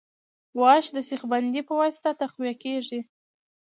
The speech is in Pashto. واش د سیخ بندۍ په واسطه تقویه کیږي